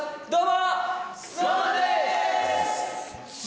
どうも。